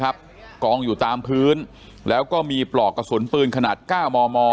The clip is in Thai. กองอยู่ตามพื้นแล้วก็มีปลอกกระสุนปืนขนาด๙มม